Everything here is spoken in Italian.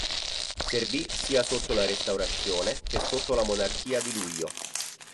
Servì sia sotto la Restaurazione che sotto la Monarchia di Luglio.